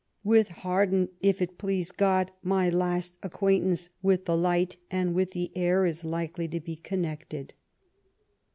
With Hawarden, if it please God, my last acquaintance with the light and with the air is likely to be connected.